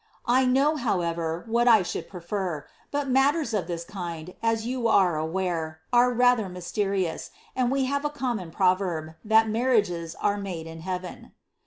I know, however, what I should prefer; but matters of this kind, as you are aware, are rather mysterious, and we have a common proverb, that mar riages are made in heaven."